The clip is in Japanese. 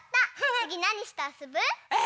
つぎなにしてあそぶ？